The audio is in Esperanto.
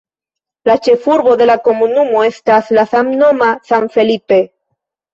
La ĉefurbo de la komunumo estas la samnoma San Felipe.